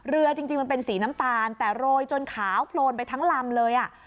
จริงมันเป็นสีน้ำตาลแต่โรยจนขาวโพลนไปทั้งลำเลยอ่ะ